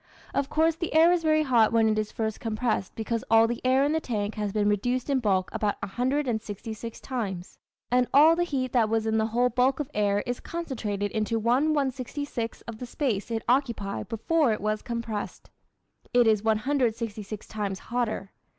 Of course the air is very hot when it is first compressed because all the air in the tank has been reduced in bulk about 166 times, and all the heat that was in the whole bulk of air is concentrated into one 166th of the space it occupied before it was compressed. It is 166 times hotter.